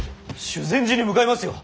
修善寺に向かいますよ。